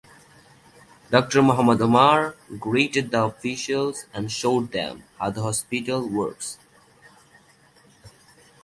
Doctor Mohamed Omar greeted the officials and showed them how the hospital works.